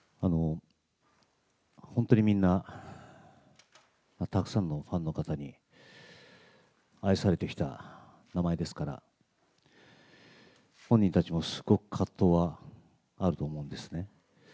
本当にみんな、たくさんのファンの方に愛されてきた名前ですから、本人たちもすごく葛藤はあると思うんですね。